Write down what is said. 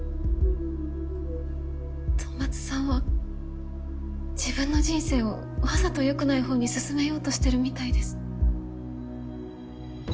戸松さんは自分の人生をわざと良くないほうに進めようとしてるみたいです。